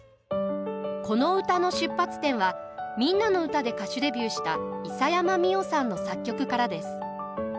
この歌の出発点は「みんなのうた」で歌手デビューした諫山実生さんの作曲からです。